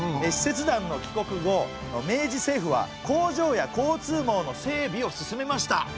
使節団の帰国後明治政府は工場や交通網の整備を進めました。